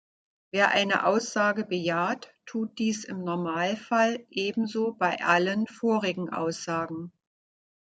Wer eine Aussage bejaht, tut dies im Normalfall ebenso bei allen vorigen Aussagen.